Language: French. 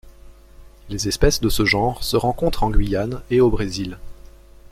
Les espèces de ce genre se rencontrent en Guyane et au Brésil.